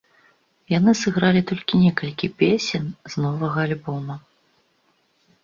Яны сыгралі толькі некалькі песень з новага альбома.